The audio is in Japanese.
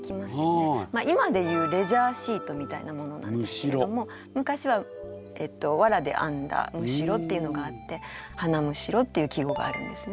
今で言うレジャーシートみたいなものなんですけれども昔は藁で編んだ筵っていうのがあって「花筵」っていう季語があるんですね。